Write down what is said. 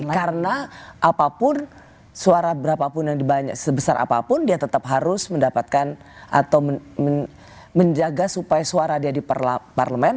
karena apapun suara berapapun yang dibanyak sebesar apapun dia tetap harus mendapatkan atau menjaga supaya suara dia di parlemen